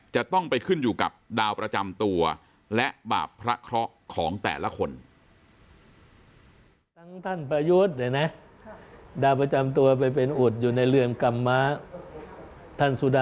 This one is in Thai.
จะต้องไปขึ้นอยู่กับดาวประจำตัวและบาปพระเคราะห์ของแต่ละคน